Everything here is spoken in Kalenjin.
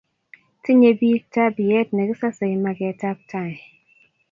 tinyei pik tapiet nekisasei maket ap tai